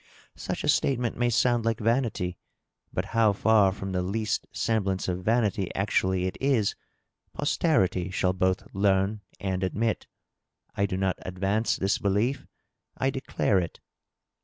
Such a statement may sound like vanity; but how far from the least semblance of vanity actually it is, posterity shall both learn and admit. I do not advance this belief. I declare it.